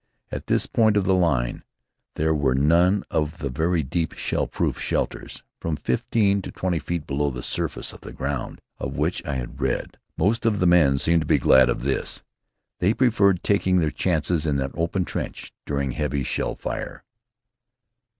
At this part of the line there were none of the very deep shell proof shelters, from fifteen to twenty feet below the surface of the ground, of which I had read. Most of the men seemed to be glad of this. They preferred taking their chances in an open trench during heavy shell fire.